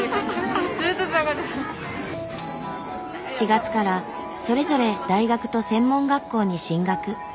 ４月からそれぞれ大学と専門学校に進学。